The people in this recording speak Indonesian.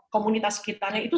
komunitas sekitarnya itu